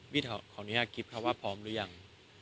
บีขออนุญาตกิฟต์เขาว่าพร้อมหรือยัง